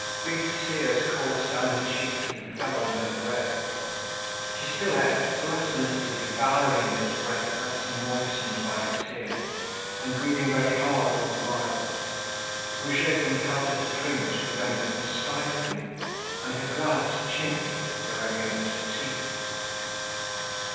Big tears coursed down her cheeks and fell onto her bread. She still ate, gluttonously devouring this bread thus moistened by her tears, and breathing very hard all the while. Goujet compelled her to drink to prevent her from stifling, and her glass chinked, as it were, against her teeth.